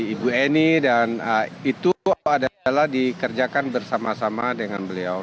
ibu eni dan itu adalah dikerjakan bersama sama dengan beliau